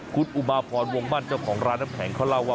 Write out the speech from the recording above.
กุฎอุบาพรวงบรรชาวของร้านน้ำแผงเขาเล่าว่า